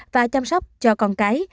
và chăm sóc cho con cao